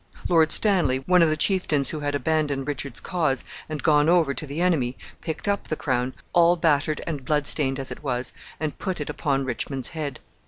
Lord Stanley, one of the chieftains who had abandoned Richard's cause and gone over to the enemy, picked up the crown, all battered and bloodstained as it was, and put it upon Richmond's head.